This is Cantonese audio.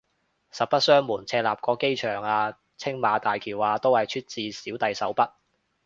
實不相瞞，赤鱲角機場啊青馬大橋啊都係出自小弟手筆